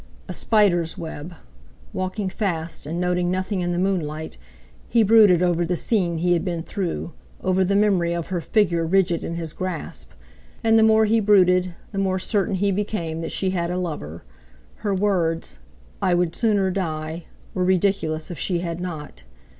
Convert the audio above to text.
A spider's web! Walking fast, and noting nothing in the moonlight, he brooded over the scene he had been through, over the memory of her figure rigid in his grasp. And the more he brooded, the more certain he became that she had a lover—her words, "I would sooner die!" were ridiculous if she had not.